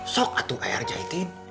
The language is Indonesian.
sok atuh eer jahitin